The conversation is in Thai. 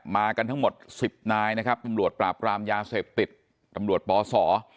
มากันทั้งหมด๑๐นายนะครับตำรวจปราบกรามยาเสพติดตำรวจปศ